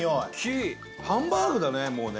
伊達：ハンバーグだね、もうね。